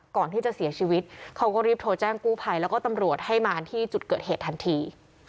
ก่อนที่จะเสียชีวิตเขาก็รีบโทรแจ้งกู้ภัยแล้วก็ตำรวจให้มาที่จุดเกิดเหตุทันที